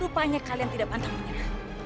rupanya kalian tidak pantang punya kegagalan